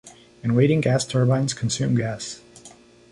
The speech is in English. And waiting gas turbines consume gas.